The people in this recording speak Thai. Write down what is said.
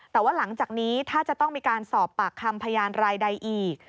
แต่ว่าหลังจากนี้ถ้าจะต้องมีการสอบปากคำพยานรายใดอีก